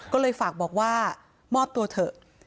ก็เลยฝากบอกว่ามอบตัวเถอะ